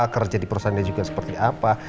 kerja di perusahaannya juga seperti apa